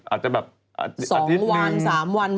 อาจจะแบบอาทิตย์หนึ่งสองวันสามวัน